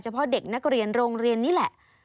เพราะเด็กนักเรียนโรงเรียนนี่แหละ